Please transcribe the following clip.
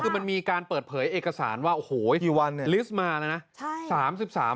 คือมันมีการเปิดเผยเอกสารว่าโอ้โหลิสต์มาแล้วนะ